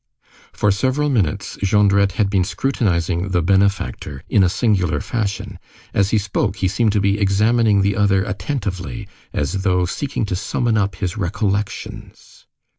For several minutes, Jondrette had been scrutinizing "the benefactor" in a singular fashion. As he spoke, he seemed to be examining the other attentively, as though seeking to summon up his recollections.